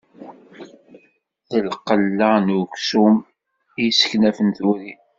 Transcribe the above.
D lqella n uksum, i yesseknafen turin.